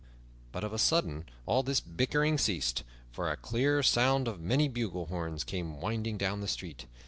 But of a sudden all this bickering ceased, for a clear sound of many bugle horns came winding down the street.